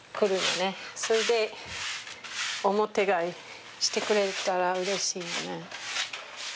それで表替えしてくれたらうれしいのね。